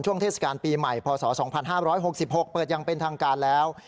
เทศกาลปีใหม่พศ๒๕๖๖เปิดอย่างเป็นทางการแล้ว